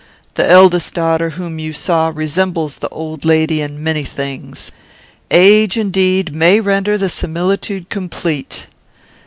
The eldest daughter, whom you saw, resembles the old lady in many things. Age, indeed, may render the similitude complete.